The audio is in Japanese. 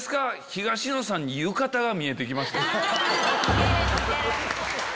東野さんに浴衣が見えて来ました。